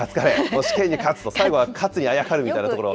試験に勝つと、最後はカツにあやかるみたいなところ。